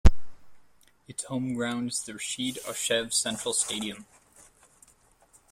Its home ground is the Rashid Aushev Central Stadium.